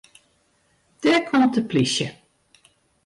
Dêr komt de plysje.